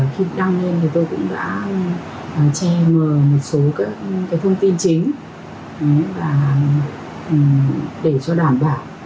khi đăng lên thì tôi cũng đã che mờ một số cái thông tin chính để cho đảm bảo